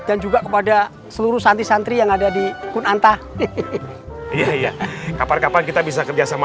dan juga kepada seluruh santi santri yang ada di kunanta iya iya kapan kapan kita bisa kerjasama